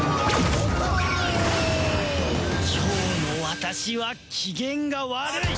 今日の私は機嫌が悪い！